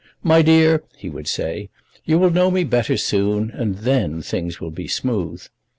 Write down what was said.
"My dear," he would say, "you will know me better soon, and then things will be smooth."